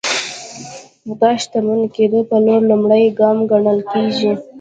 دا د شتمن کېدو پر لور لومړی ګام ګڼل کېږي.